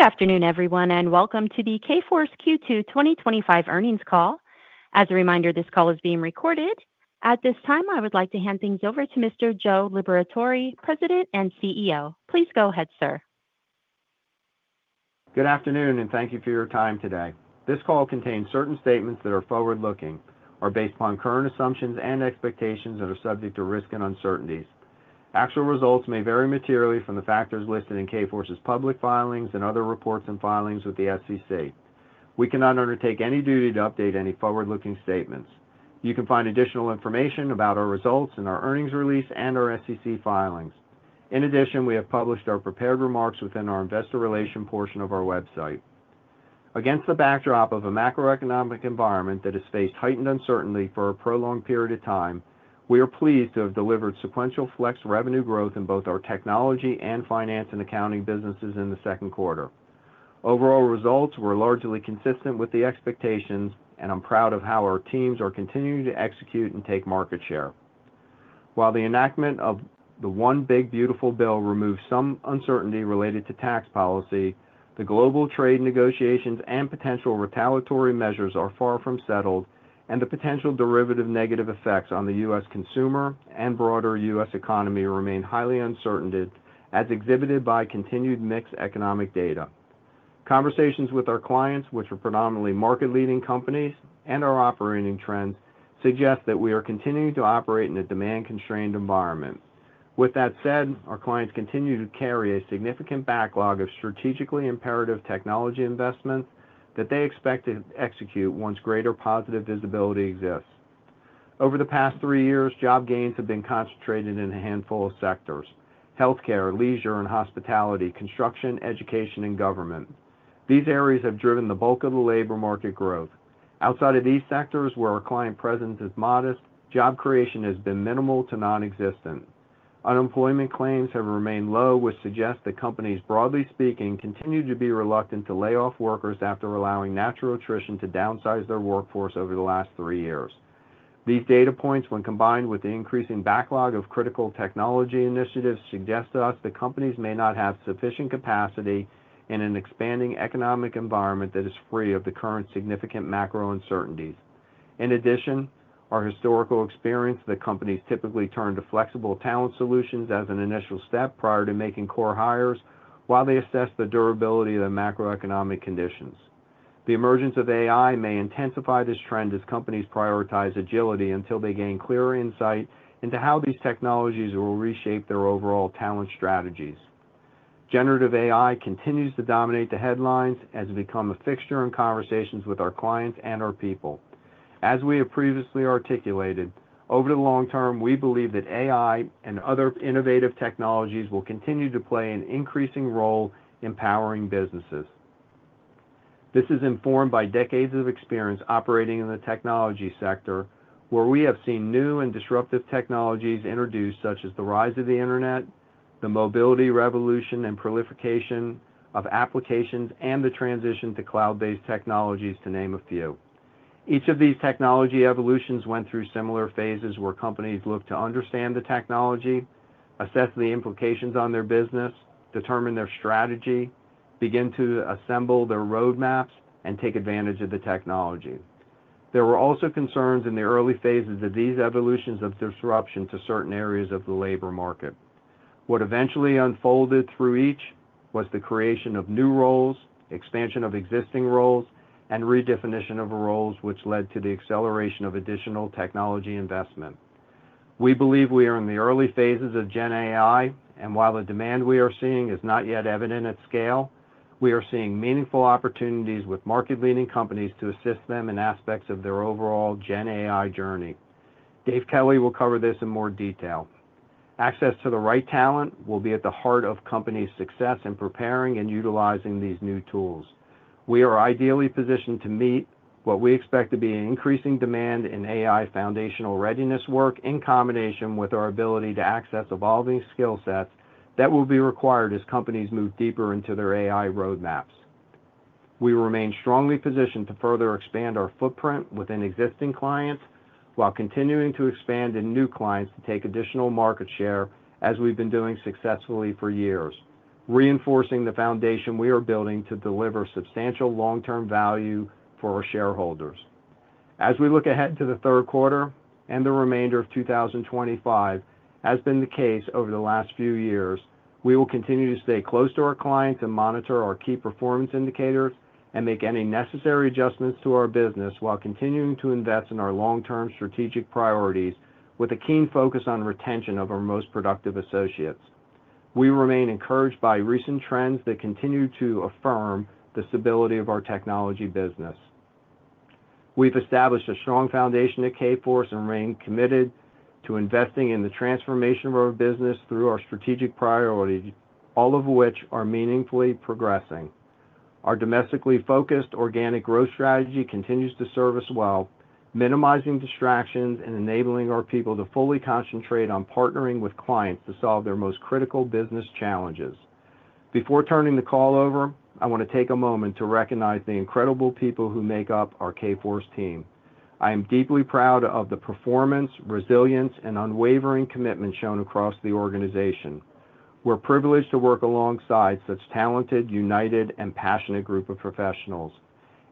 Good afternoon, everyone, and welcome to the Kforce Q2 2025 earnings call. As a reminder, this call is being recorded. At this time, I would like to hand things over to Mr. Joe Liberatore, President and CEO. Please go ahead, sir. Good afternoon, and thank you for your time today. This call contains certain statements that are forward-looking, are based upon current assumptions and expectations, and are subject to risk and uncertainties. Actual results may vary materially from the factors listed in Kforce's public filings and other reports and filings with the U.S. SEC. We cannot undertake any duty to update any forward-looking statements. You can find additional information about our results in our earnings release and our SEC filings. In addition, we have published our prepared remarks within our investor relations portion of our website. Against the backdrop of a macroeconomic environment that has faced heightened uncertainty for a prolonged period of time, we are pleased to have delivered sequential flex revenue growth in both our technology and finance and accounting businesses in the second quarter. Overall results were largely consistent with the expectations, and I'm proud of how our teams are continuing to execute and take market share. While the enactment of the One Big Beautiful Bill removes some uncertainty related to tax policy, the global trade negotiations and potential retaliatory measures are far from settled, and the potential derivative negative effects on the U.S. consumer and broader U.S. economy remain highly uncertain as exhibited by continued mixed economic data. Conversations with our clients, which are predominantly market-leading companies, and our operating trends suggest that we are continuing to operate in a demand-constrained environment. With that said, our clients continue to carry a significant backlog of strategically imperative technology investments that they expect to execute once greater positive visibility exists. Over the past three years, job gains have been concentrated in a handful of sectors: healthcare, leisure and hospitality, construction, education, and government. These areas have driven the bulk of the labor market growth. Outside of these sectors, where our client presence is modest, job creation has been minimal to non-existent. Unemployment claims have remained low, which suggests that companies, broadly speaking, continue to be reluctant to lay off workers after allowing natural attrition to downsize their workforce over the last three years. These data points, when combined with the increasing backlog of critical technology initiatives, suggest to us that companies may not have sufficient capacity in an expanding economic environment that is free of the current significant macro uncertainties. In addition, our historical experience is that companies typically turn to flexible talent solutions as an initial step prior to making core hires while they assess the durability of the macroeconomic conditions. The emergence of AI may intensify this trend as companies prioritize agility until they gain clearer insight into how these technologies will reshape their overall talent strategies. Generative AI continues to dominate the headlines as it becomes a fixture in conversations with our clients and our people. As we have previously articulated, over the long term, we believe that AI and other innovative technologies will continue to play an increasing role in empowering businesses. This is informed by decades of experience operating in the technology sector, where we have seen new and disruptive technologies introduced, such as the rise of the internet, the mobility revolution and proliferation of applications, and the transition to cloud-based technologies, to name a few. Each of these technology evolutions went through similar phases where companies looked to understand the technology, assess the implications on their business, determine their strategy, begin to assemble their roadmaps, and take advantage of the technology. There were also concerns in the early phases of these evolutions of disruption to certain areas of the labor market. What eventually unfolded through each was the creation of new roles, expansion of existing roles, and redefinition of roles, which led to the acceleration of additional technology investment. We believe we are in the early phases of Gen AI, and while the demand we are seeing is not yet evident at scale, we are seeing meaningful opportunities with market-leading companies to assist them in aspects of their overall Gen AI journey. Dave Kelly will cover this in more detail. Access to the right talent will be at the heart of companies' success in preparing and utilizing these new tools. We are ideally positioned to meet what we expect to be an increasing demand in AI foundational readiness work, in combination with our ability to access evolving skill sets that will be required as companies move deeper into their AI roadmaps. We remain strongly positioned to further expand our footprint within existing clients while continuing to expand in new clients to take additional market share, as we've been doing successfully for years, reinforcing the foundation we are building to deliver substantial long-term value for our shareholders. As we look ahead to the third quarter and the remainder of 2025, as has been the case over the last few years, we will continue to stay close to our clients and monitor our key performance indicators and make any necessary adjustments to our business while continuing to invest in our long-term strategic priorities with a keen focus on retention of our most productive associates. We remain encouraged by recent trends that continue to affirm the stability of our technology business. We've established a strong foundation at Kforce and remain committed to investing in the transformation of our business through our strategic priorities, all of which are meaningfully progressing. Our domestically focused organic growth strategy continues to serve us well, minimizing distractions and enabling our people to fully concentrate on partnering with clients to solve their most critical business challenges. Before turning the call over, I want to take a moment to recognize the incredible people who make up our Kforce team. I am deeply proud of the performance, resilience, and unwavering commitment shown across the organization. We're privileged to work alongside such a talented, united, and passionate group of professionals.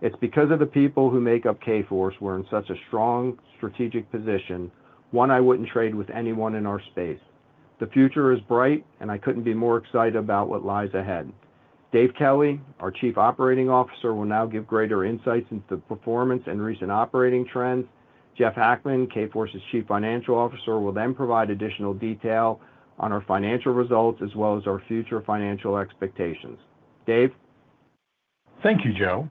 It's because of the people who make up Kforce we're in such a strong strategic position, one I wouldn't trade with anyone in our space. The future is bright, and I couldn't be more excited about what lies ahead. Dave Kelly, our Chief Operating Officer, will now give greater insights into the performance and recent operating trends. Jeff Hackman, Kforce's Chief Financial Officer, will then provide additional detail on our financial results as well as our future financial expectations. Dave? Thank you, Joe.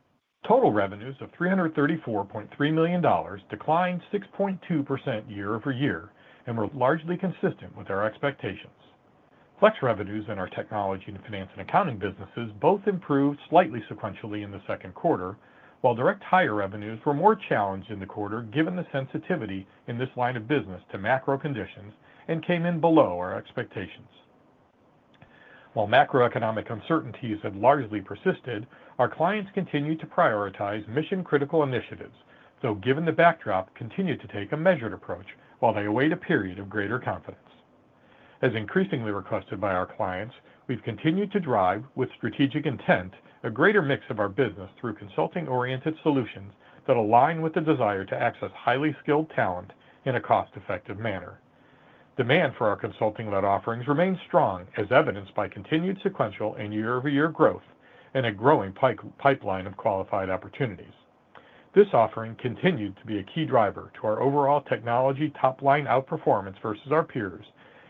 Total revenues of $334.3 million declined 6.2% year-over-year and were largely consistent with our expectations. Flex revenues in our technology and finance and accounting businesses both improved slightly sequentially in the second quarter, while direct hire revenues were more challenged in the quarter given the sensitivity in this line of business to macro conditions and came in below our expectations. While macroeconomic uncertainties have largely persisted, our clients continue to prioritize mission-critical initiatives, though given the backdrop, continue to take a measured approach while they await a period of greater confidence. As increasingly requested by our clients, we've continued to drive, with strategic intent, a greater mix of our business through consulting-oriented solutions that align with the desire to access highly skilled talent in a cost-effective manner. Demand for our consulting-led offerings remains strong, as evidenced by continued sequential and year-over-year growth and a growing pipeline of qualified opportunities. This offering continued to be a key driver to our overall technology top-line outperformance versus our peers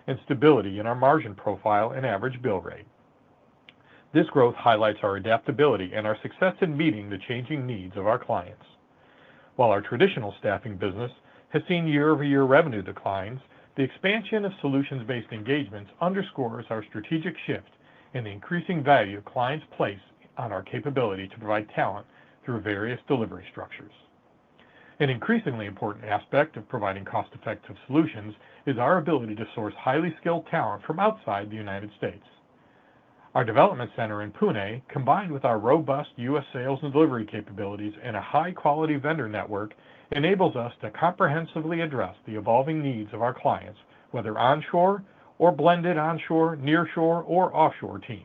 and stability in our margin profile and average bill rate. This growth highlights our adaptability and our success in meeting the changing needs of our clients. While our traditional staffing business has seen year-over-year revenue declines, the expansion of solutions-based engagements underscores our strategic shift and the increasing value clients place on our capability to provide talent through various delivery structures. An increasingly important aspect of providing cost-effective solutions is our ability to source highly skilled talent from outside the United States. Our development center in Pune, combined with our robust U.S. sales and delivery capabilities and a high-quality vendor network, enables us to comprehensively address the evolving needs of our clients, whether onshore or blended onshore, nearshore, or offshore teams.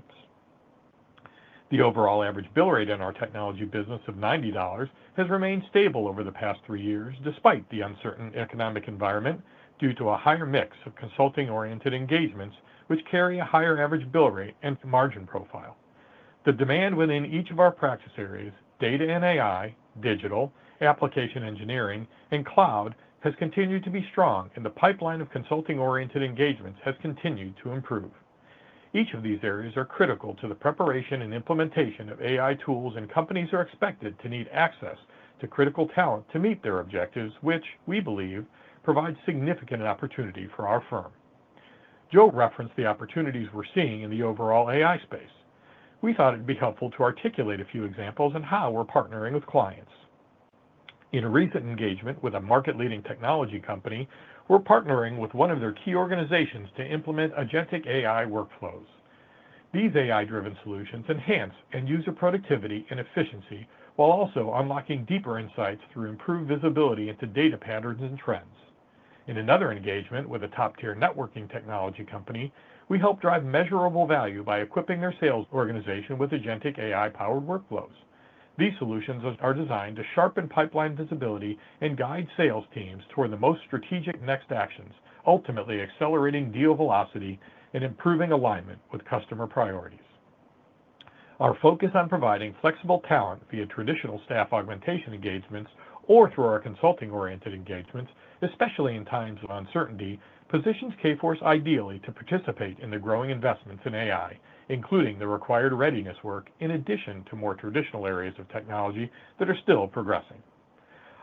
The overall average bill rate in our technology business of $90 has remained stable over the past three years, despite the uncertain economic environment due to a higher mix of consulting-oriented engagements, which carry a higher average bill rate and margin profile. The demand within each of our practice areas, data and AI, digital, application engineering, and cloud, has continued to be strong, and the pipeline of consulting-oriented engagements has continued to improve. Each of these areas is critical to the preparation and implementation of AI tools, and companies are expected to need access to critical talent to meet their objectives, which we believe provides significant opportunity for our firm. Joe referenced the opportunities we're seeing in the overall AI space. We thought it'd be helpful to articulate a few examples and how we're partnering with clients. In a recent engagement with a market-leading technology company, we're partnering with one of their key organizations to implement agentic AI workflows. These AI-driven solutions enhance end-user productivity and efficiency while also unlocking deeper insights through improved visibility into data patterns and trends. In another engagement with a top-tier networking technology company, we help drive measurable value by equipping their sales organization with agentic AI-powered workflows. These solutions are designed to sharpen pipeline visibility and guide sales teams toward the most strategic next actions, ultimately accelerating deal velocity and improving alignment with customer priorities. Our focus on providing flexible talent via traditional staff augmentation engagements or through our consulting-oriented engagements, especially in times of uncertainty, positions Kforce ideally to participate in the growing investments in AI, including the required readiness work in addition to more traditional areas of technology that are still progressing.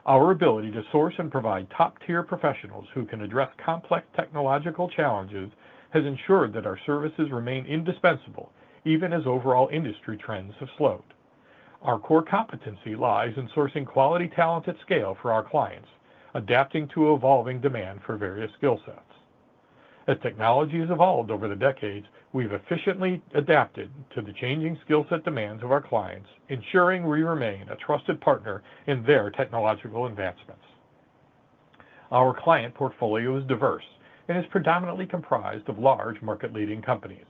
Our ability to source and provide top-tier professionals who can address complex technological challenges has ensured that our services remain indispensable, even as overall industry trends have slowed. Our core competency lies in sourcing quality talent at scale for our clients, adapting to evolving demand for various skill sets. As technology has evolved over the decades, we've efficiently adapted to the changing skill set demands of our clients, ensuring we remain a trusted partner in their technological advancements. Our client portfolio is diverse and is predominantly comprised of large market-leading companies.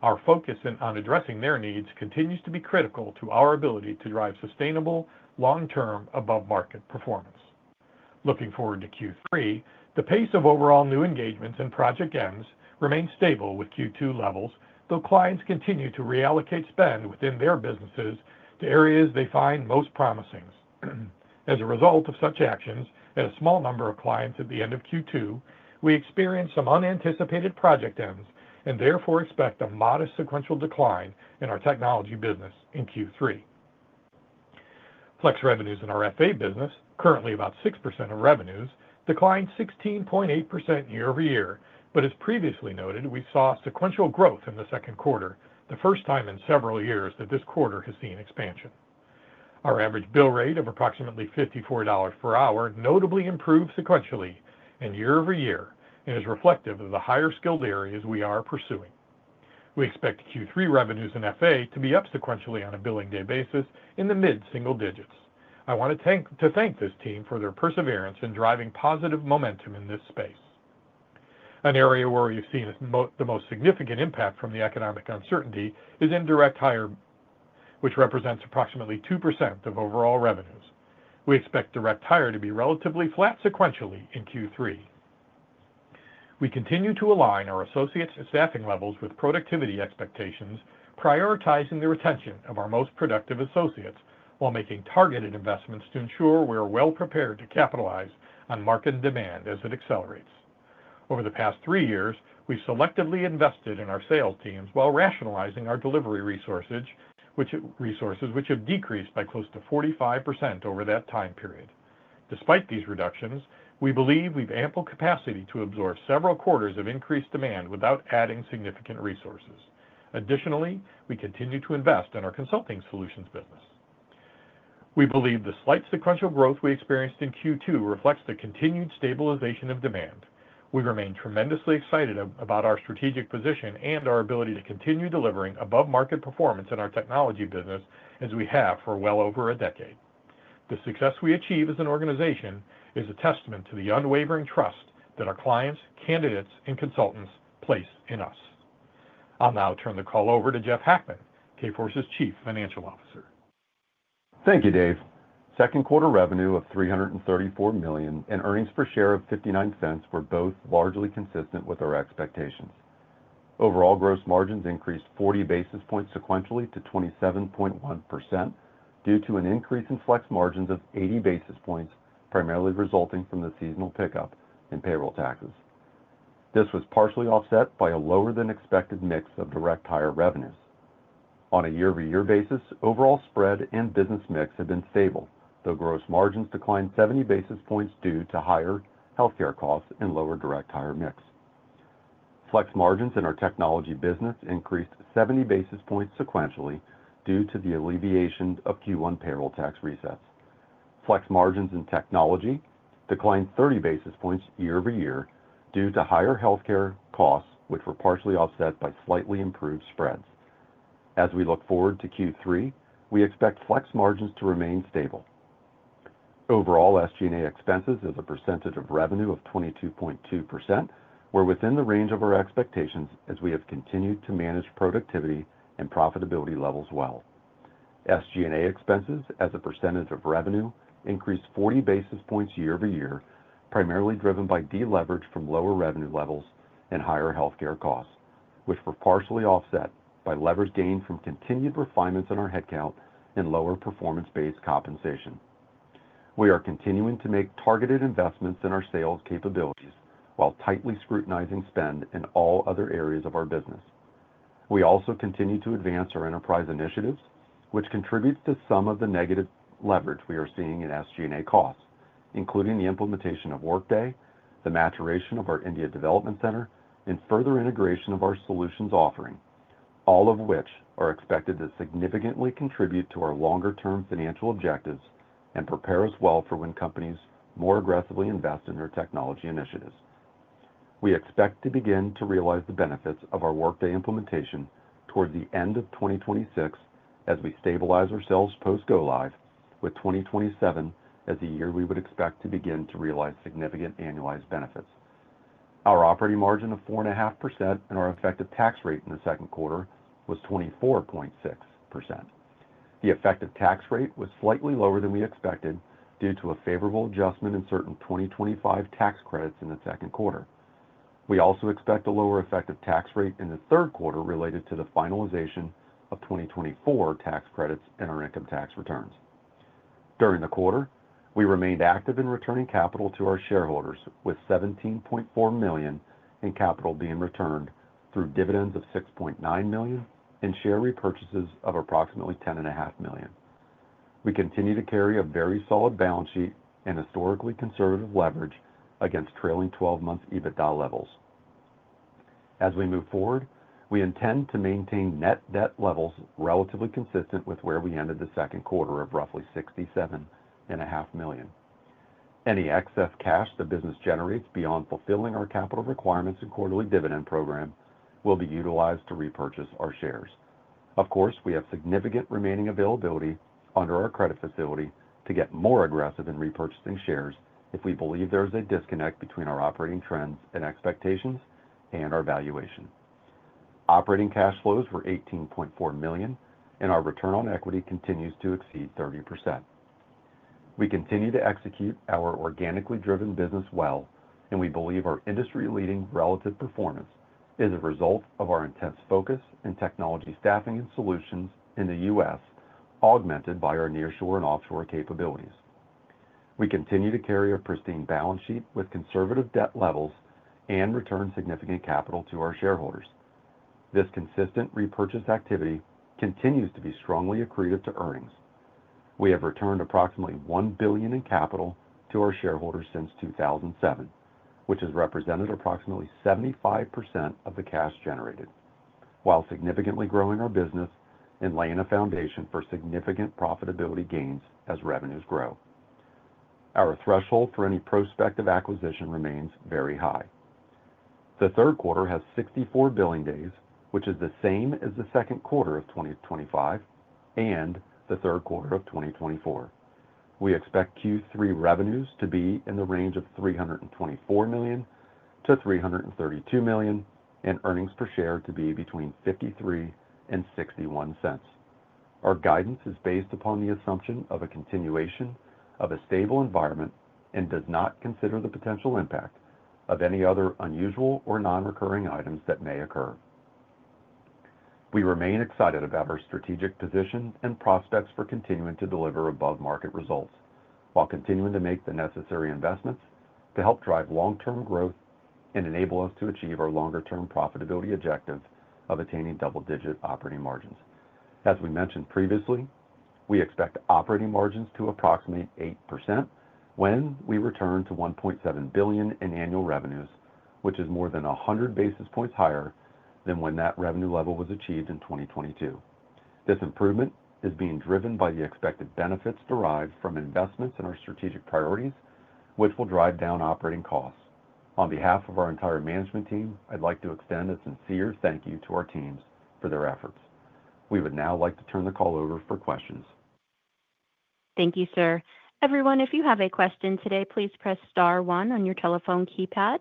Our focus on addressing their needs continues to be critical to our ability to drive sustainable, long-term, above-market performance. Looking forward to Q3, the pace of overall new engagements and project ends remains stable with Q2 levels, though clients continue to reallocate spend within their businesses to areas they find most promising. As a result of such actions and a small number of clients at the end of Q2, we experienced some unanticipated project ends and therefore expect a modest sequential decline in our technology business in Q3. Flex revenues in our FA business, currently about 6% of revenues, declined 16.8% year-over-year, but as previously noted, we saw sequential growth in the second quarter, the first time in several years that this quarter has seen expansion. Our average bill rate of approximately $54 per hour notably improved sequentially and year-over-year and is reflective of the higher skilled areas we are pursuing. We expect Q3 revenues in FA to be up sequentially on a billing day basis in the mid-single digits. I want to thank this team for their perseverance in driving positive momentum in this space. An area where we've seen the most significant impact from the economic uncertainty is direct hire, which represents approximately 2% of overall revenues. We expect direct hire to be relatively flat sequentially in Q3. We continue to align our associates' staffing levels with productivity expectations, prioritizing the retention of our most productive associates while making targeted investments to ensure we are well prepared to capitalize on market demand as it accelerates. Over the past three years, we've selectively invested in our sales teams while rationalizing our delivery resources, which have decreased by close to 45% over that time period. Despite these reductions, we believe we have ample capacity to absorb several quarters of increased demand without adding significant resources. Additionally, we continue to invest in our consulting solutions business. We believe the slight sequential growth we experienced in Q2 reflects the continued stabilization of demand. We remain tremendously excited about our strategic position and our ability to continue delivering above-market performance in our technology business as we have for well over a decade. The success we achieve as an organization is a testament to the unwavering trust that our clients, candidates, and consultants place in us. I'll now turn the call over to Jeff Hackman, Kforce's Chief Financial Officer. Thank you, Dave. Second quarter revenue of $334 million and earnings per share of $0.59 were both largely consistent with our expectations. Overall gross margins increased 40 basis points sequentially to 27.1% due to an increase in flex margins of 80 basis points, primarily resulting from the seasonal pickup in payroll taxes. This was partially offset by a lower-than-expected mix of direct hire revenues. On a year-over-year basis, overall spread and business mix have been stable, though gross margins declined 70 basis points due to higher healthcare costs and lower direct hire mix. Flex margins in our technology business increased 70 basis points sequentially due to the alleviation of Q1 payroll tax resets. Flex margins in technology declined 30 basis points year-over-year due to higher healthcare costs, which were partially offset by slightly improved spreads. As we look forward to Q3, we expect flex margins to remain stable. Overall SG&A expenses as a percentage of revenue of 22.2% were within the range of our expectations as we have continued to manage productivity and profitability levels well. SG&A expenses as a percentage of revenue increased 40 basis points year-over-year, primarily driven by deleverage from lower revenue levels and higher healthcare costs, which were partially offset by leverage gain from continued refinements in our headcount and lower performance-based compensation. We are continuing to make targeted investments in our sales capabilities while tightly scrutinizing spend in all other areas of our business. We also continue to advance our enterprise initiatives, which contribute to some of the negative leverage we are seeing in SG&A costs, including the implementation of Workday, the maturation of our India development center, and further integration of our solutions offering, all of which are expected to significantly contribute to our longer-term financial objectives and prepare us well for when companies more aggressively invest in their technology initiatives. We expect to begin to realize the benefits of our Workday implementation towards the end of 2026 as we stabilize ourselves post-go-live, with 2027 as the year we would expect to begin to realize significant annualized benefits. Our operating margin of 4.5% and our effective tax rate in the second quarter was 24.6%. The effective tax rate was slightly lower than we expected due to a favorable adjustment in certain 2025 tax credits in the second quarter. We also expect a lower effective tax rate in the third quarter related to the finalization of 2024 tax credits and our income tax returns. During the quarter, we remained active in returning capital to our shareholders, with $17.4 million in capital being returned through dividends of $6.9 million and share repurchases of approximately $10.5 million. We continue to carry a very solid balance sheet and historically conservative leverage against trailing 12-month EBITDA levels. As we move forward, we intend to maintain net debt levels relatively consistent with where we ended the second quarter of roughly $67.5 million. Any excess cash the business generates beyond fulfilling our capital requirements and quarterly dividend program will be utilized to repurchase our shares. Of course, we have significant remaining availability under our credit facility to get more aggressive in repurchasing shares if we believe there is a disconnect between our operating trends and expectations and our valuation. Operating cash flows were $18.4 million, and our return on equity continues to exceed 30%. We continue to execute our organically driven business well, and we believe our industry-leading relative performance is a result of our intense focus and technology staffing and solutions in the U.S., augmented by our nearshore and offshore capabilities. We continue to carry a pristine balance sheet with conservative debt levels and return significant capital to our shareholders. This consistent repurchase activity continues to be strongly accretive to earnings. We have returned approximately $1 billion in capital to our shareholders since 2007, which has represented approximately 75% of the cash generated, while significantly growing our business and laying a foundation for significant profitability gains as revenues grow. Our threshold for any prospective acquisition remains very high. The third quarter has 64 billing days, which is the same as the second quarter of 2025 and the third quarter of 2024. We expect Q3 revenues to be in the range of $324 million-$332 million and earnings per share to be between $0.53 and $0.61. Our guidance is based upon the assumption of a continuation of a stable environment and does not consider the potential impact of any other unusual or non-recurring items that may occur. We remain excited about our strategic position and prospects for continuing to deliver above-market results while continuing to make the necessary investments to help drive long-term growth and enable us to achieve our longer-term profitability objective of attaining double-digit operating margins. As we mentioned previously, we expect operating margins to approximate 8% when we return to $1.7 billion in annual revenues, which is more than 100 basis points higher than when that revenue level was achieved in 2022. This improvement is being driven by the expected benefits derived from investments in our strategic priorities, which will drive down operating costs. On behalf of our entire management team, I'd like to extend a sincere thank you to our teams for their efforts. We would now like to turn the call over for questions. Thank you, sir. Everyone, if you have a question today, please press star one on your telephone keypad.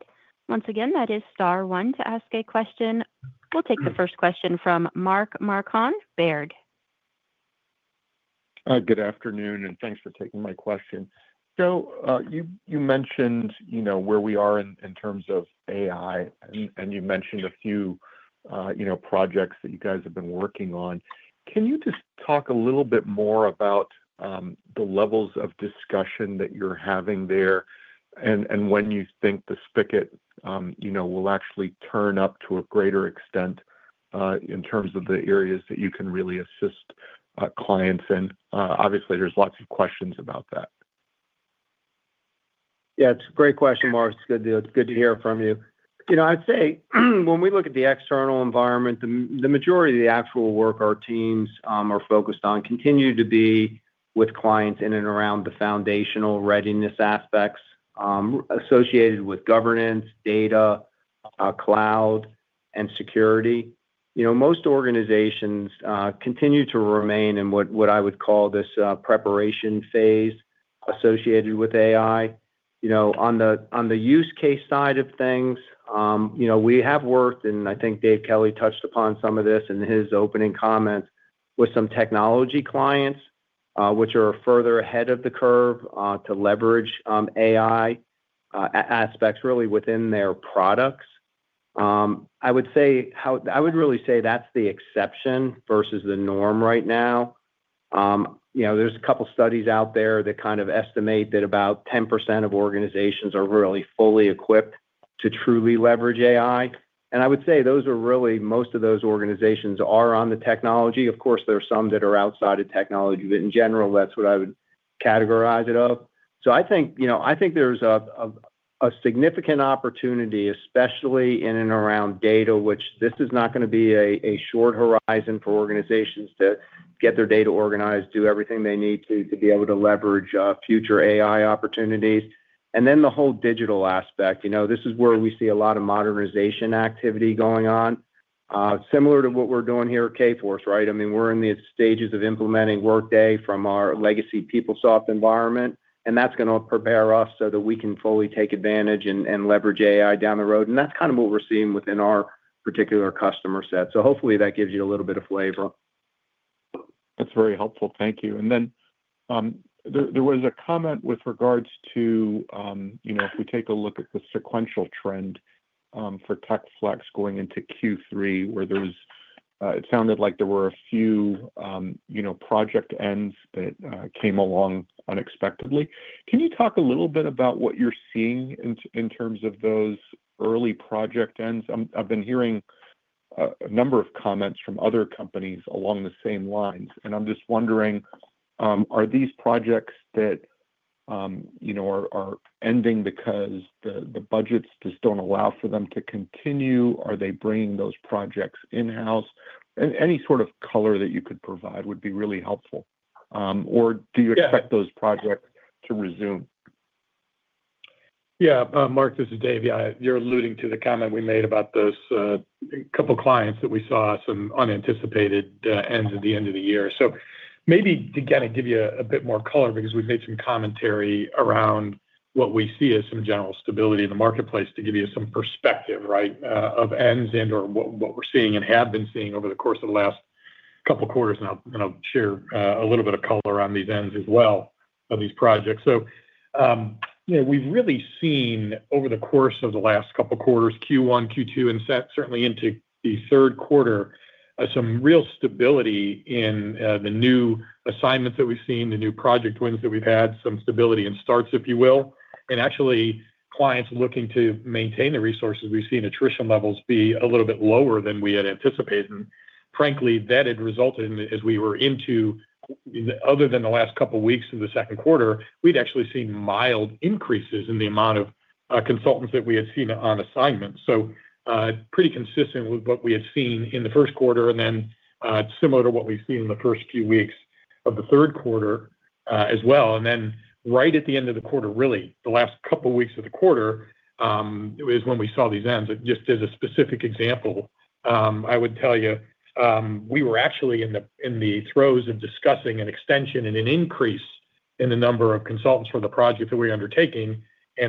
Once again, that is star one to ask a question. We'll take the first question from Mark Marcon, Baird. Good afternoon, and thanks for taking my question. Joe, you mentioned, you know, where we are in terms of AI, and you mentioned a few, you know, projects that you guys have been working on. Can you just talk a little bit more about the levels of discussion that you're having there and when you think the spigot, you know, will actually turn up to a greater extent in terms of the areas that you can really assist clients in? Obviously, there's lots of questions about that. Yeah, it's a great question, Mark. It's good to hear from you. When we look at the external environment, the majority of the actual work our teams are focused on continues to be with clients in and around the foundational readiness aspects associated with governance, data, cloud, and security. Most organizations continue to remain in what I would call this preparation phase associated with AI. On the use case side of things, we have worked, and I think Dave Kelly touched upon some of this in his opening comments, with some technology clients which are further ahead of the curve to leverage AI aspects really within their products. I would really say that's the exception versus the norm right now. There are a couple of studies out there that estimate that about 10% of organizations are really fully equipped to truly leverage AI. I would say most of those organizations are in technology. Of course, there are some that are outside of technology, but in general, that's what I would categorize it as. I think there's a significant opportunity, especially in and around data, which is not going to be a short horizon for organizations to get their data organized, do everything they need to be able to leverage future AI opportunities. The whole digital aspect, this is where we see a lot of modernization activity going on, similar to what we're doing here at Kforce, right? We're in the stages of implementing Workday from our legacy PeopleSoft environment, and that's going to prepare us so that we can fully take advantage and leverage AI down the road. That's what we're seeing within our particular customer set. Hopefully that gives you a little bit of flavor. That's very helpful. Thank you. There was a comment with regards to, you know, if we take a look at the sequential trend for tech flex going into Q3, where it sounded like there were a few, you know, project ends that came along unexpectedly. Can you talk a little bit about what you're seeing in terms of those early project ends? I've been hearing a number of comments from other companies along the same lines, and I'm just wondering, are these projects that, you know, are ending because the budgets just don't allow for them to continue? Are they bringing those projects in-house? Any sort of color that you could provide would be really helpful. Do you expect those projects to resume? Yeah, Mark, this is Dave. You're alluding to the comment we made about those couple of clients that we saw some unanticipated ends at the end of the year. Maybe to kind of give you a bit more color because we've made some commentary around what we see as some general stability in the marketplace to give you some perspective, right, of ends and/or what we're seeing and have been seeing over the course of the last couple of quarters. I'll share a little bit of color on these ends as well of these projects. We've really seen over the course of the last couple of quarters, Q1, Q2, and certainly into the third quarter, some real stability in the new assignments that we've seen, the new project wins that we've had, some stability in starts, if you will. Actually, clients looking to maintain the resources, we've seen attrition levels be a little bit lower than we had anticipated. Frankly, that had resulted in, as we were into, other than the last couple of weeks of the second quarter, we'd actually seen mild increases in the amount of consultants that we had seen on assignments. Pretty consistent with what we had seen in the first quarter and then similar to what we've seen in the first few weeks of the third quarter as well. Right at the end of the quarter, really the last couple of weeks of the quarter, it was when we saw these ends. Just as a specific example, I would tell you, we were actually in the throes of discussing an extension and an increase in the number of consultants for the project that we were undertaking.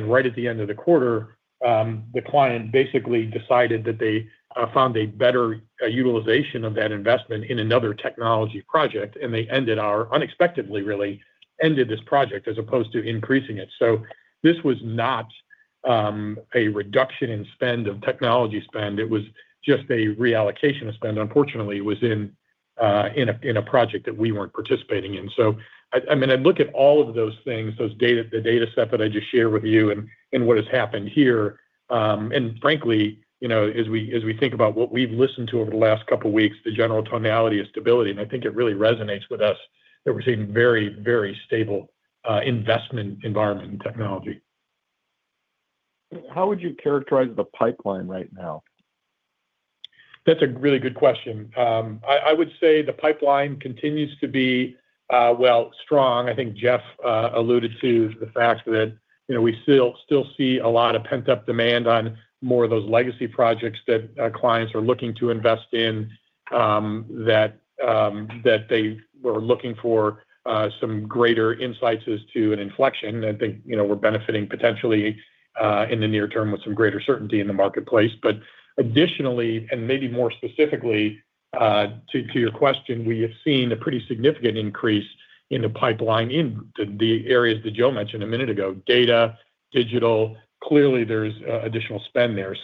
Right at the end of the quarter, the client basically decided that they found a better utilization of that investment in another technology project, and they ended our, unexpectedly, really ended this project as opposed to increasing it. This was not a reduction in technology spend. It was just a reallocation of spend, unfortunately, was in a project that we weren't participating in. I look at all of those things, those data, the data set that I just shared with you and what has happened here. Frankly, as we think about what we've listened to over the last couple of weeks, the general tonality of stability, I think it really resonates with us that we're seeing a very, very stable investment environment in technology. How would you characterize the pipeline right now? That's a really good question. I would say the pipeline continues to be, well, strong. I think Jeff alluded to the fact that we still see a lot of pent-up demand on more of those legacy projects that clients are looking to invest in, that they were looking for some greater insights as to an inflection. I think we're benefiting potentially in the near term with some greater certainty in the marketplace. Additionally, and maybe more specifically to your question, we have seen a pretty significant increase in the pipeline in the areas that Joe mentioned a minute ago: data, digital. Clearly, there's additional spend there.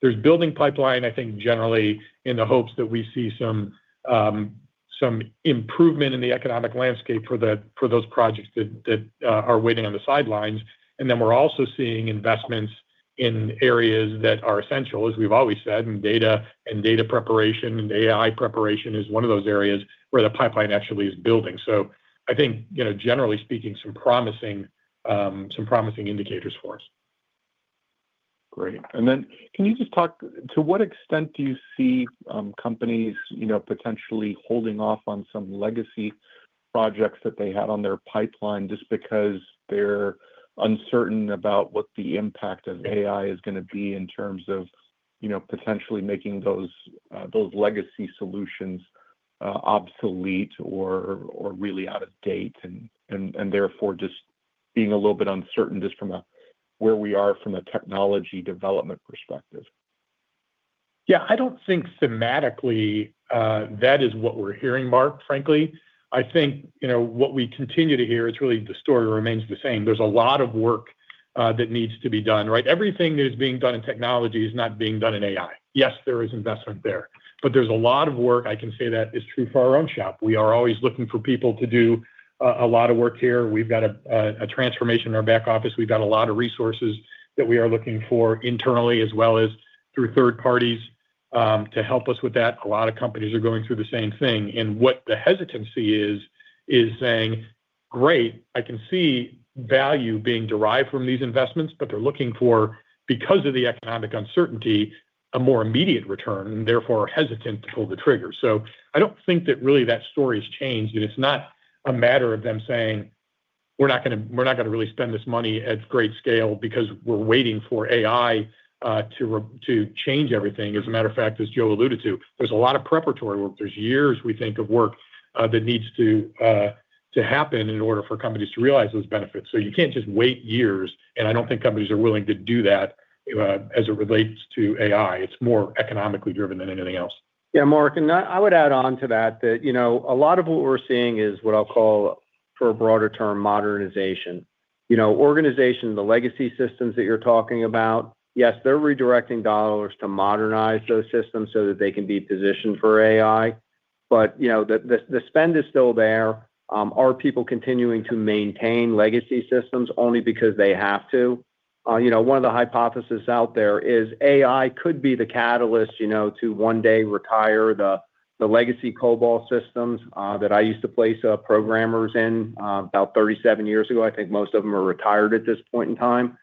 There's building pipeline, I think, generally in the hopes that we see some improvement in the economic landscape for those projects that are waiting on the sidelines. We're also seeing investments in areas that are essential, as we've always said, in data and data preparation, and AI preparation is one of those areas where the pipeline actually is building. I think, generally speaking, some promising indicators for us. Great. Can you just talk, to what extent do you see companies potentially holding off on some legacy projects that they have on their pipeline just because they're uncertain about what the impact of AI is going to be in terms of potentially making those legacy solutions obsolete or really out of date and therefore just being a little bit uncertain just from where we are from a technology development perspective? Yeah, I don't think thematically that is what we're hearing, Mark, frankly. I think what we continue to hear, it's really the story remains the same. There's a lot of work that needs to be done, right? Everything that is being done in technology is not being done in AI. Yes, there is investment there, but there's a lot of work. I can say that is true for our own shop. We are always looking for people to do a lot of work here. We've got a transformation in our back office. We've got a lot of resources that we are looking for internally as well as through third parties to help us with that. A lot of companies are going through the same thing. What the hesitancy is, is saying, "Great, I can see value being derived from these investments," but they're looking for, because of the economic uncertainty, a more immediate return and therefore are hesitant to pull the trigger. I don't think that really that story has changed and it's not a matter of them saying, "We're not going to really spend this money at great scale because we're waiting for AI to change everything." As a matter of fact, as Joe alluded to, there's a lot of preparatory work. There's years we think of work that needs to happen in order for companies to realize those benefits. You can't just wait years, and I don't think companies are willing to do that as it relates to AI. It's more economically driven than anything else. Yeah. Mark, and I would add on to that that, you know, a lot of what we're seeing is what I'll call, for a broader term, modernization. You know, organization, the legacy systems that you're talking about, yes, they're redirecting dollars to modernize those systems so that they can be positioned for AI. The spend is still there. Are people continuing to maintain legacy systems only because they have to? One of the hypotheses out there is AI could be the catalyst, you know, to one day retire the legacy COBOL systems that I used to place programmers in about 37 years ago. I think most of them are retired at this point in time.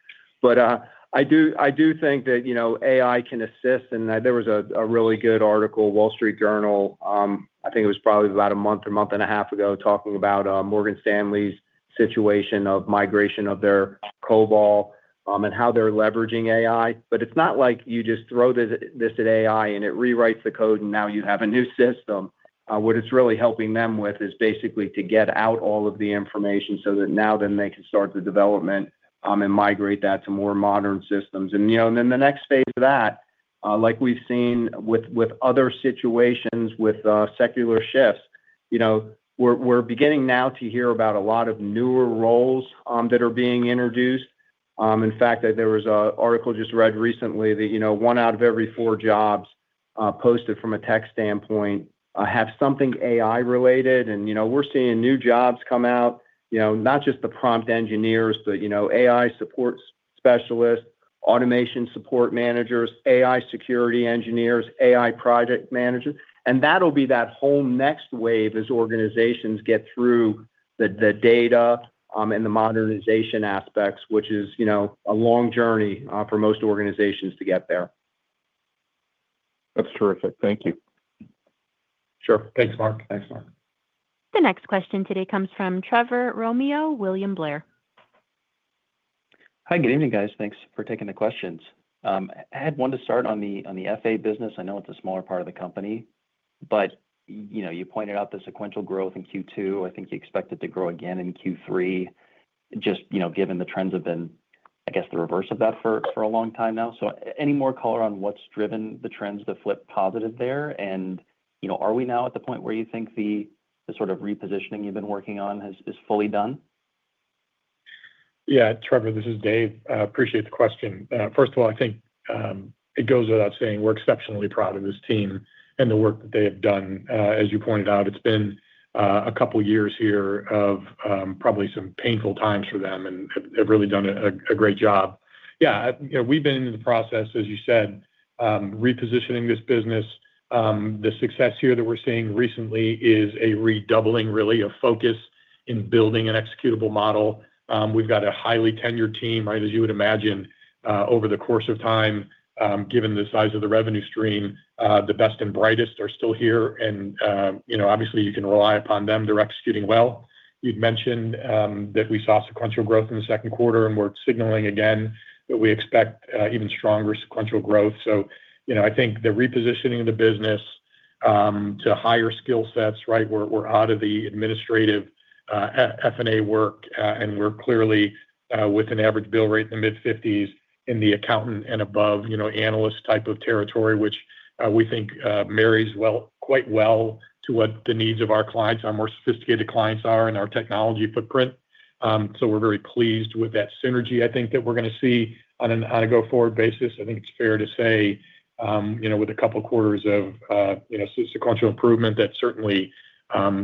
I do think that, you know, AI can assist. There was a really good article, Wall Street Journal, I think it was probably about a month or month and a half ago talking about Morgan Stanley's situation of migration of their COBOL and how they're leveraging AI. It's not like you just throw this at AI and it rewrites the code and now you have a new system. What it's really helping them with is basically to get out all of the information so that now then they can start the development and migrate that to more modern systems. The next phase of that, like we've seen with other situations with secular shifts, we're beginning now to hear about a lot of newer roles that are being introduced. In fact, there was an article just read recently that, you know, one out of every four jobs posted from a tech standpoint have something AI-related. We're seeing new jobs come out, you know, not just the prompt engineers, but, you know, AI support specialists, automation support managers, AI security engineers, AI project managers. That'll be that whole next wave as organizations get through the data and the modernization aspects, which is a long journey for most organizations to get there. That's terrific. Thank you. Sure. Thanks, Mark. Thanks, Mark. The next question today comes from Trevor Romeo, William Blair. Hi, good evening, guys. Thanks for taking the questions. I had one to start on the FA business. I know it's a smaller part of the company, but you pointed out the sequential growth in Q2. I think you expect it to grow again in Q3, just given the trends have been, I guess, the reverse of that for a long time now. Any more color on what's driven the trends that flip positive there? Are we now at the point where you think the sort of repositioning you've been working on is fully done? Yeah, Trevor, this is Dave. Appreciate the question. First of all, I think it goes without saying we're exceptionally proud of this team and the work that they have done. As you pointed out, it's been a couple of years here of probably some painful times for them, and they've really done a great job. We've been in the process, as you said, repositioning this business. The success here that we're seeing recently is a redoubling, really, of focus in building an executable model. We've got a highly tenured team, right, as you would imagine, over the course of time. Given the size of the revenue stream, the best and brightest are still here, and, you know, obviously you can rely upon them. They're executing well. You'd mentioned that we saw sequential growth in the second quarter, and we're signaling again that we expect even stronger sequential growth. I think the repositioning of the business to higher skill sets, right, we're out of the administrative FA work, and we're clearly with an average bill rate in the mid-$50s in the accountant and above, you know, analyst type of territory, which we think marries quite well to what the needs of our clients are, more sophisticated clients are in our technology footprint. We're very pleased with that synergy. I think that we're going to see on a go-forward basis, I think it's fair to say, with a couple of quarters of sequential improvement that certainly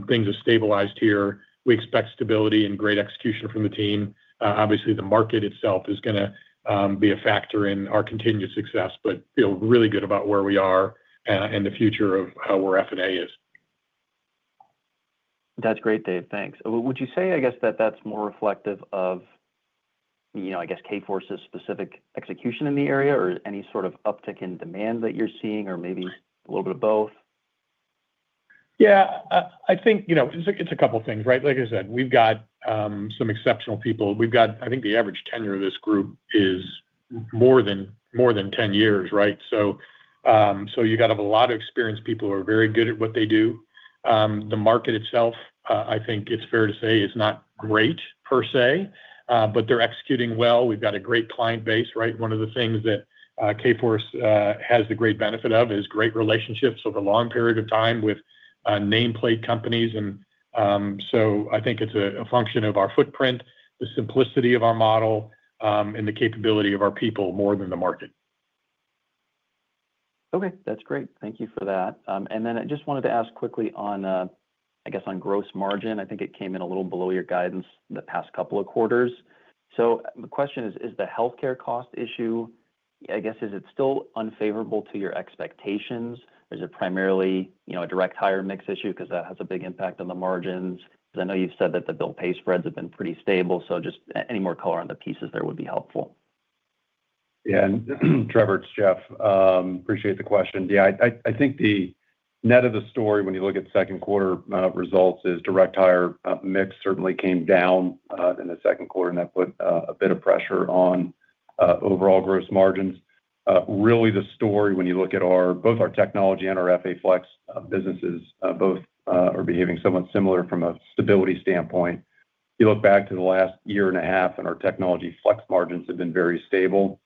things have stabilized here. We expect stability and great execution from the team. Obviously, the market itself is going to be a factor in our continued success, but feel really good about where we are and the future of where FA is. That's great, Dave. Thanks. Would you say that's more reflective of, you know, Kforce's specific execution in the area or any sort of uptick in demand that you're seeing or maybe a little bit of both? I think, you know, it's a couple of things, right? Like I said, we've got some exceptional people. I think the average tenure of this group is more than 10 years, right? You've got to have a lot of experienced people who are very good at what they do. The market itself, I think it's fair to say, is not great per se, but they're executing well. We've got a great client base, right? One of the things that Kforce has the great benefit of is great relationships over a long period of time with nameplate companies. I think it's a function of our footprint, the simplicity of our model, and the capability of our people more than the market. Okay, that's great. Thank you for that. I just wanted to ask quickly on, I guess, on gross margin. I think it came in a little below your guidance in the past couple of quarters. The question is, is the healthcare cost issue, I guess, is it still unfavorable to your expectations? Is it primarily, you know, a direct hire mix issue because that has a big impact on the margins? I know you've said that the bill pay spreads have been pretty stable. Just any more color on the pieces there would be helpful. Yeah, and Trevor, it's Jeff. Appreciate the question. I think the net of the story when you look at second-quarter results is direct hire mix certainly came down in the second quarter, and that put a bit of pressure on overall gross margins. Really, the story when you look at both our technology and our FA flex businesses, both are behaving somewhat similar from a stability standpoint. You look back to the last year and a half, and our technology flex margins have been very stable.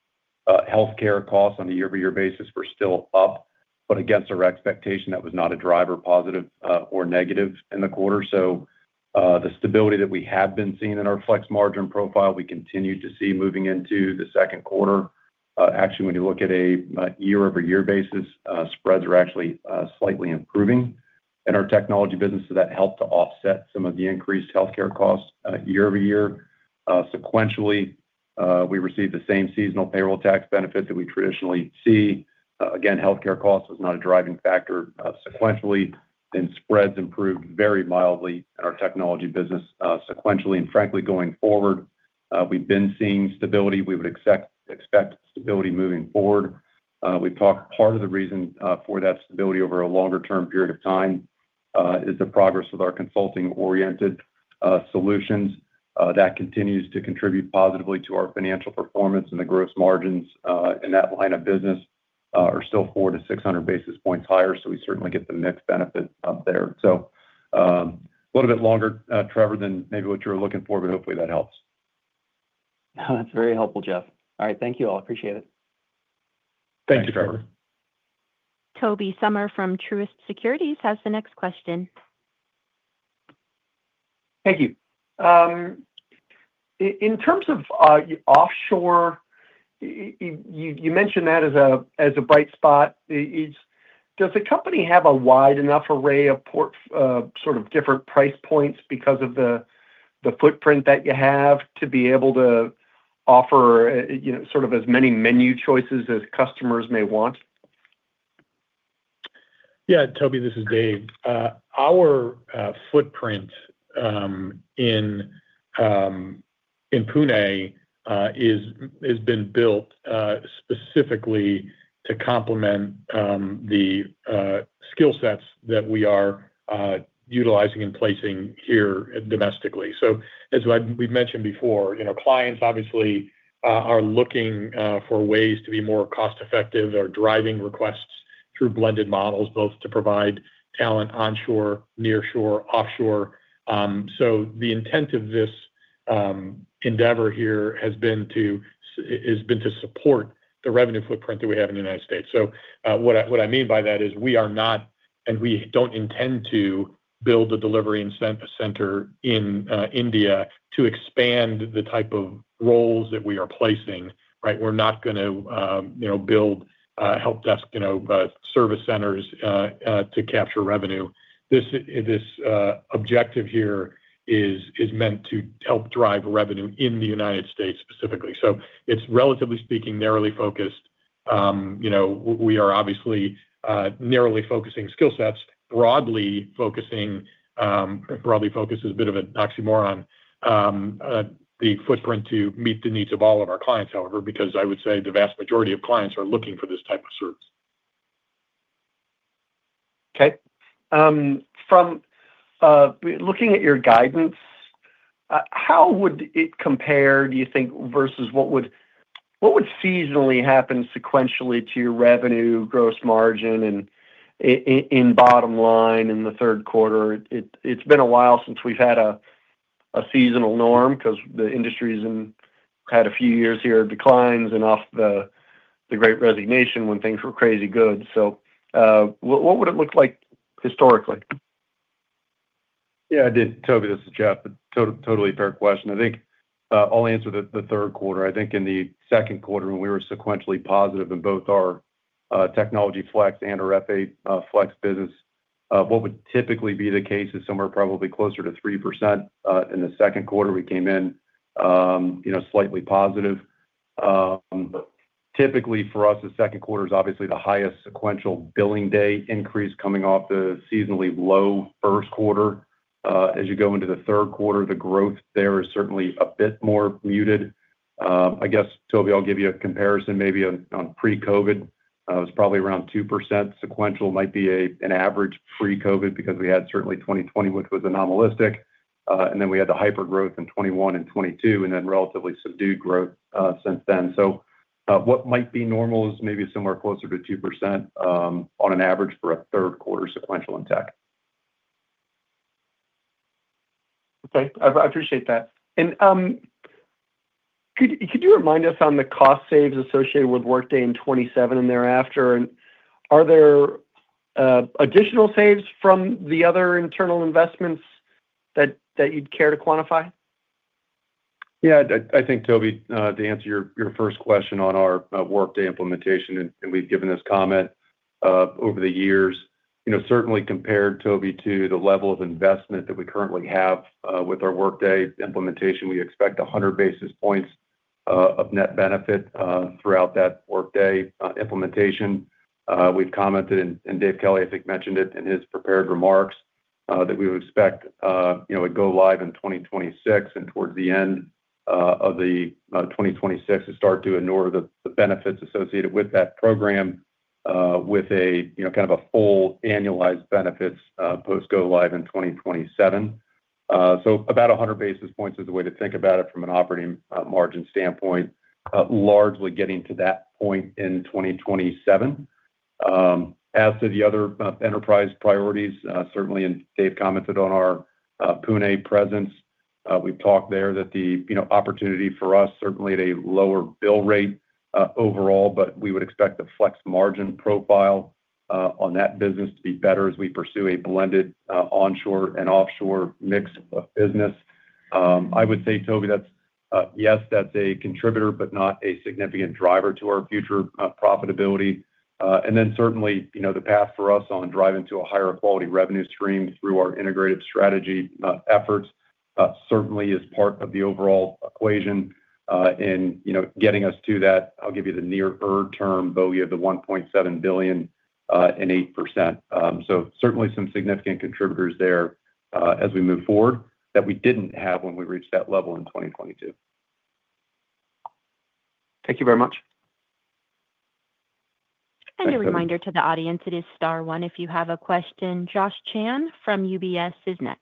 Healthcare costs on a year-over-year basis were still up, but against our expectation, that was not a driver positive or negative in the quarter. The stability that we have been seeing in our flex margin profile we continued to see moving into the second quarter. Actually, when you look at a year-over-year basis, spreads are actually slightly improving in our technology business, so that helped to offset some of the increased healthcare costs year-over-year. Sequentially, we received the same seasonal payroll tax benefit that we traditionally see. Again, healthcare costs was not a driving factor sequentially, and spreads improved very mildly in our technology business sequentially. Frankly, going forward, we've been seeing stability. We would expect stability moving forward. We've talked part of the reason for that stability over a longer-term period of time is the progress with our consulting-oriented solutions. That continues to contribute positively to our financial performance, and the gross margins in that line of business are still 400-600 basis points higher, so we certainly get the mixed benefit up there. A little bit longer, Trevor, than maybe what you were looking for, but hopefully that helps. That's very helpful, Jeff. All right, thank you all. Appreciate it. Thank you, Trevor. Tobey Sommer from Truist Securities has the next question. Thank you. In terms of offshore, you mentioned that as a bright spot. Does the company have a wide enough array of sort of different price points because of the footprint that you have to be able to offer, you know, sort of as many menu choices as customers may want? Yeah, Tobey, this is Dave. Our footprint in Pune has been built specifically to complement the skill sets that we are utilizing and placing here domestically. As we mentioned before, clients obviously are looking for ways to be more cost-effective. They're driving requests through blended models, both to provide talent onshore, nearshore, offshore. The intent of this endeavor here has been to support the revenue footprint that we have in the United States. What I mean by that is we are not, and we don't intend to build a delivery center in India to expand the type of roles that we are placing, right? We're not going to build help desk service centers to capture revenue. This objective here is meant to help drive revenue in the United States. specifically. It's, relatively speaking, narrowly focused. We are obviously narrowly focusing skill sets. Broadly focusing, broadly focused is a bit of an oxymoron, the footprint to meet the needs of all of our clients, however, because I would say the vast majority of clients are looking for this type of service. Okay. From looking at your guidance, how would it compare, do you think, versus what would seasonally happen sequentially to your revenue, gross margin, and in bottom line in the third quarter? It's been a while since we've had a seasonal norm because the industry's had a few years here of declines and off the Great Resignation when things were crazy good. What would it look like historically? Yeah, I did. Tobey, this is Jeff. Totally fair question. I think I'll answer the third quarter. I think in the second quarter when we were sequentially positive in both our technology flex and our FA flex business, what would typically be the case is somewhere probably closer to 3% in the second quarter. We came in slightly positive. Typically for us, the second quarter is obviously the highest sequential billing day increase coming off the seasonally low first quarter. As you go into the third quarter, the growth there is certainly a bit more muted. I guess, Tobey, I'll give you a comparison. Maybe on pre-COVID, it was probably around 2%. Sequential might be an average pre-COVID because we had certainly 2020 which was anomalistic. We had the hypergrowth in 2021 and 2022 and then relatively subdued growth since then. What might be normal is maybe somewhere closer to 2% on an average for a third quarter sequential in tech. Okay. I appreciate that. Could you remind us on the cost saves associated with Workday in 2027 and thereafter? Are there additional saves from the other internal investments that you'd care to quantify? Yeah, I think, Tobey, to answer your first question on our Workday implementation, and we've given this comment over the years, you know, certainly compared, Tobey, to the level of investment that we currently have with our Workday implementation. We expect 100 basis points of net benefit throughout that Workday implementation. We've commented, and Dave Kelly, I think, mentioned it in his prepared remarks, that we would expect, you know, it would go live in 2026 and towards the end of 2026 to start to enure the benefits associated with that program with a, you know, kind of a full annualized benefits post-go-live in 2027. About 100 basis points is the way to think about it from an operating margin standpoint, largely getting to that point in 2027. As to the other enterprise priorities, certainly, and Dave commented on our Pune presence, we've talked there that the, you know, opportunity for us certainly at a lower bill rate overall, but we would expect the flex margin profile on that business to be better as we pursue a blended onshore and offshore mix of business. I would say, Tobey, that's yes, that's a contributor, but not a significant driver to our future profitability. Certainly, you know, the path for us on driving to a higher quality revenue stream through our integrative strategy efforts certainly is part of the overall equation. You know, getting us to that, I'll give you the nearer term, though we have the $1.7 billion and 8%. Certainly some significant contributors there as we move forward that we didn't have when we reached that level in 2022. Thank you very much. A reminder to the audience, it is star one if you have a question. Josh Chan from UBS is next.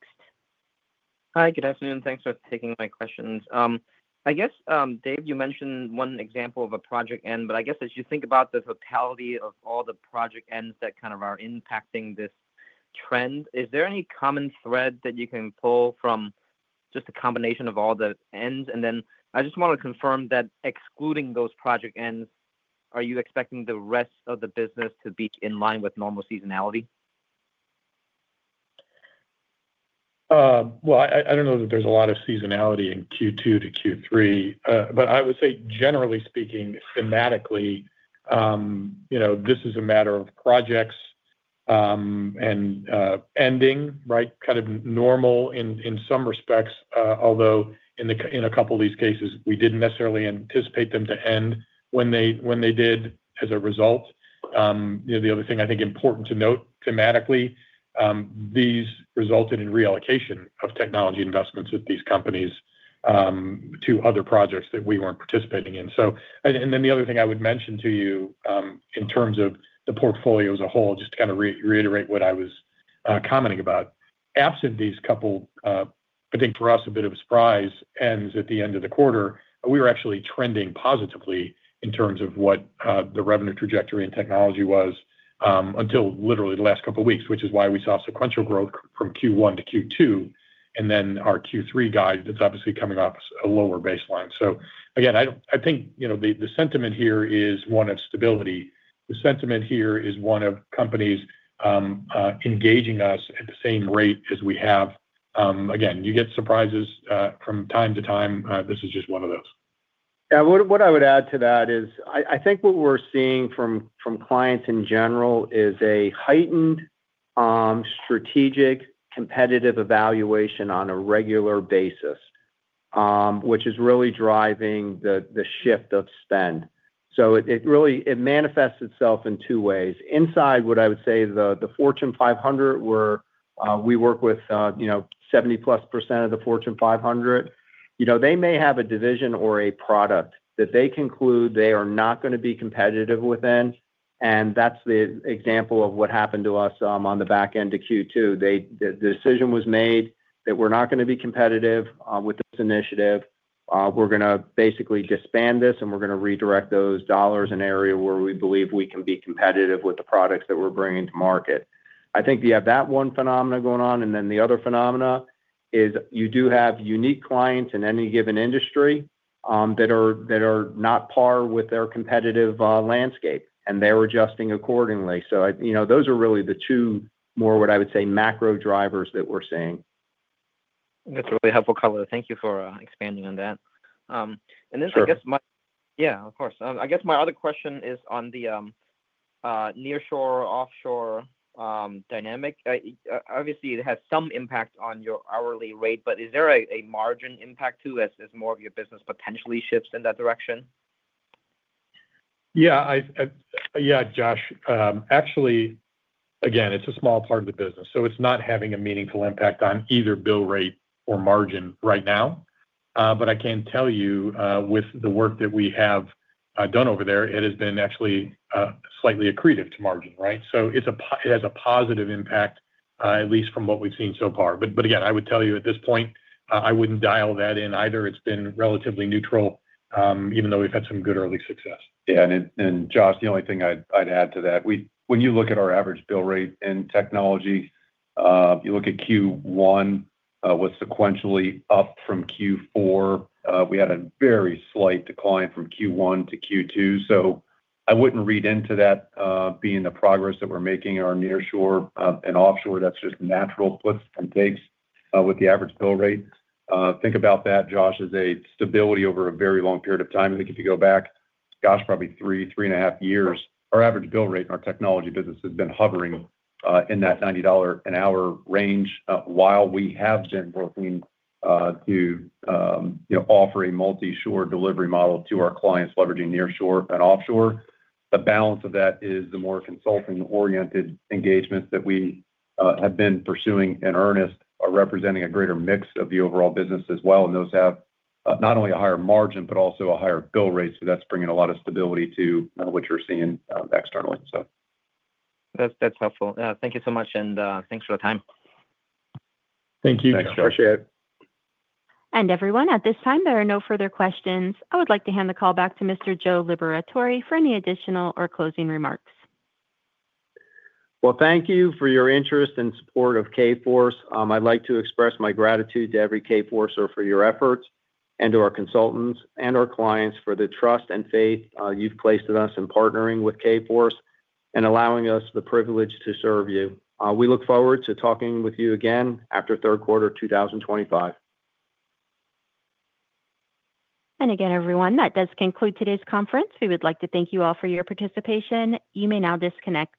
Hi, good afternoon. Thanks for taking my questions. I guess, Dave, you mentioned one example of a project end, but as you think about the totality of all the project ends that are impacting this trend, is there any common thread that you can pull from just the combination of all the ends? I just want to confirm that excluding those project ends, are you expecting the rest of the business to be in line with normal seasonality? I don't know that there's a lot of seasonality in Q2 to Q3, but I would say generally speaking, thematically, this is a matter of projects ending, right? Kind of normal in some respects, although in a couple of these cases, we didn't necessarily anticipate them to end when they did. The other thing I think is important to note thematically, these resulted in reallocation of technology investments at these companies to other projects that we weren't participating in. The other thing I would mention to you in terms of the portfolio as a whole, just to kind of reiterate what I was commenting about, absent these couple, I think for us a bit of a surprise, ends at the end of the quarter, we were actually trending positively in terms of what the revenue trajectory in technology was until literally the last couple of weeks, which is why we saw sequential growth from Q1 to Q2. Our Q3 guide is obviously coming off a lower baseline. I think the sentiment here is one of stability. The sentiment here is one of companies engaging us at the same rate as we have. You get surprises from time to time. This is just one of those. Yeah, what I would add to that is I think what we're seeing from clients in general is a heightened strategic competitive evaluation on a regular basis, which is really driving the shift of spend. It really manifests itself in two ways. Inside what I would say the Fortune 500, where we work with, you know, 70+% of the Fortune 500, they may have a division or a product that they conclude they are not going to be competitive within. That's the example of what happened to us on the back end to Q2. The decision was made that we're not going to be competitive with this initiative. We're going to basically disband this, and we're going to redirect those dollars in an area where we believe we can be competitive with the products that we're bringing to market. I think you have that one phenomena going on, and then the other phenomena is you do have unique clients in any given industry that are not par with their competitive landscape, and they're adjusting accordingly. Those are really the two more, what I would say, macro drivers that we're seeing. That's a really helpful color. Thank you for expanding on that. I guess my other question is on the nearshore offshore dynamic. Obviously, it has some impact on your hourly rate, but is there a margin impact too as more of your business potentially shifts in that direction? Yeah, Josh. Actually, again, it's a small part of the business. It's not having a meaningful impact on either bill rate or margin right now. I can tell you with the work that we have done over there, it has been actually slightly accretive to margin, right? It has a positive impact, at least from what we've seen so far. I would tell you at this point, I wouldn't dial that in either. It's been relatively neutral, even though we've had some good early success. Yeah, Josh, the only thing I'd add to that, when you look at our average bill rate in technology, you look at Q1, it was sequentially up from Q4. We had a very slight decline from Q1 to Q2. I wouldn't read into that being the progress that we're making in our nearshore and offshore. That's just natural puts and takes with the average bill rate. Think about that, Josh, as a stability over a very long period of time. I think if you go back, Josh, probably three, three and a half years, our average bill rate in our technology business has been hovering in that $90 an hour range while we have been working to offer a multi-shore delivery model to our clients leveraging nearshore and offshore. The balance of that is the more consulting-oriented engagements that we have been pursuing in earnest are representing a greater mix of the overall business as well. Those have not only a higher margin, but also a higher bill rate. That's bringing a lot of stability too, which we're seeing externally. That's helpful. Thank you so much, and thanks for the time. Thank you. Thanks, Josh. Appreciate it. At this time, there are no further questions. I would like to hand the call back to Mr. Joe Liberatore for any additional or closing remarks. Thank you for your interest and support of Kforce. I'd like to express my gratitude to every Kforcer for your efforts and to our consultants and our clients for the trust and faith you've placed in us in partnering with Kforce and allowing us the privilege to serve you. We look forward to talking with you again after third quarter 2025. That does conclude today's conference. We would like to thank you all for your participation. You may now disconnect.